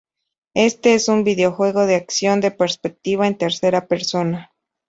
Este es un videojuego de acción de perspectiva en tercera persona.